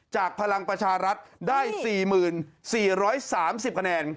พลังประชารัฐได้๔๔๓๐คะแนน